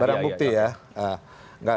barang bukti ya